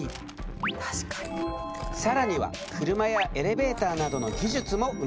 更には車やエレベーターなどの技術も生まれた。